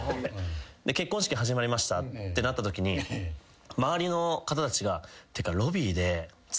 結婚式始まりましたってなったときに周りの方たちが。